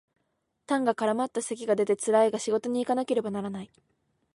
痰が絡まった咳が出てつらいが仕事にいかなければならない